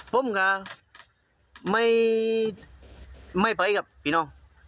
ผมก็ไม่ไม่ไปครับพี่น้อง